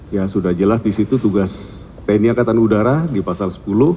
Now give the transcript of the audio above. ya sudah jelas di situ tugas tni angkatan udara di pasal sepuluh